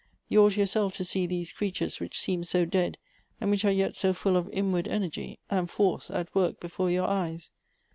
You ought your self to see these creatures, which seem so dead, and which are yet so full of inward energy and force, at work before your eyes.